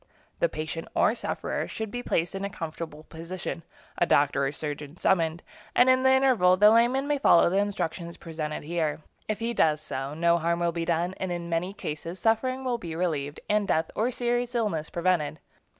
The patient or sufferer should be placed in a comfortable position, a doctor or surgeon summoned, and in the interval the layman may follow the instructions presented here. If he does so, no harm will be done, and in many cases suffering will be relieved, and death or serious illness prevented.